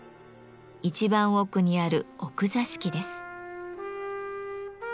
一番奥にある「奥座敷」です。